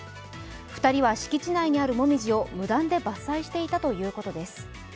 ２人は敷地内にあるもみじを無断で伐採していたということです。